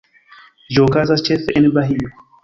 Ĝi okazas ĉefe en Bahio.